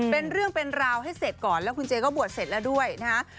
เป็นเรื่องเป็นราวให้เสร็จก่อนแล้วคุณเจก็บวชเสร็จแล้วด้วยนะฮะ